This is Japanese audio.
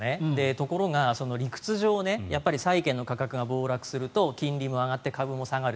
ところが、理屈上やっぱり債券の価格が暴落すると金利も上がって株も下がる。